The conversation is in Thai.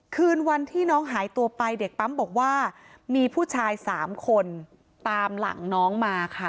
คืนวันที่น้องหายตัวไปเด็กปั๊มบอกว่ามีผู้ชาย๓คนตามหลังน้องมาค่ะ